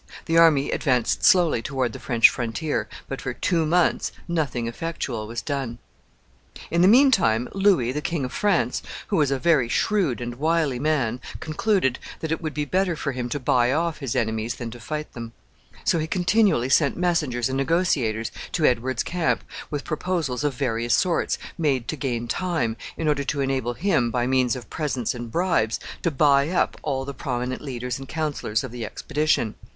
The army advanced slowly toward the French frontier, but for two months nothing effectual was done. [Illustration: LOUIS XI. OF FRANCE.] In the mean time, Louis, the King of France, who was a very shrewd and wily man, concluded that it would be better for him to buy off his enemies than to fight them. So he continually sent messengers and negotiators to Edward's camp with proposals of various sorts, made to gain time, in order to enable him, by means of presents and bribes, to buy up all the prominent leaders and counselors of the expedition.